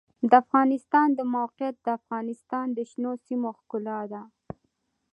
د افغانستان د موقعیت د افغانستان د شنو سیمو ښکلا ده.